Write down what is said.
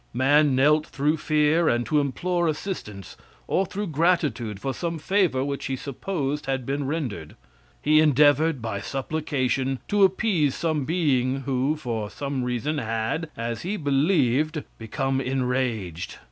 Man knelt through fear and to implore assistance, or through gratitude for some favor which he supposed had been rendered. He endeavored by supplication to appease some being who, for some reason, had, as he believed become enraged.